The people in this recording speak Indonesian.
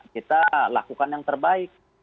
kita lakukan yang terbaik